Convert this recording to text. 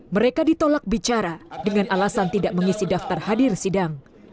mereka ditolak bicara dengan alasan tidak mengisi daftar hadir sidang